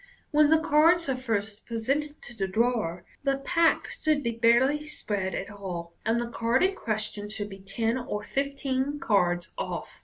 When the cards are first presented to the drawer, the pack should be barely spread at all, and the card in question should be ten or fifteen cards off.